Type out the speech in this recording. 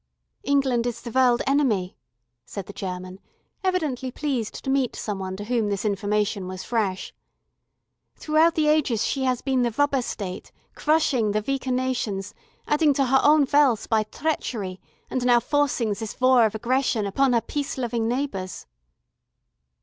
"England is the World Enemy," said the German, evidently pleased to meet someone to whom this information was fresh. "Throughout the ages she has been the Robber State, crushing the weaker nations, adding to her own wealth by treachery, and now forcing this war of aggression upon her peace loving neighbours."